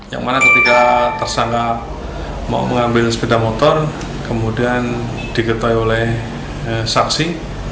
yang mana ketika tersangka mau mengambil sepeda motor kemudian diketahui oleh saksi